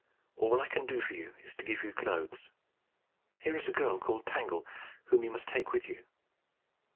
All I can do for you is to give you clothes. Here is a girl called Tangle, whom you must take with you."